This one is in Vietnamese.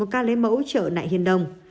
một ca lấy mẫu chợ nại hiên đông